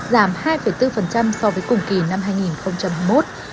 giảm hai bốn so với cùng kỳ năm hai nghìn hai mươi một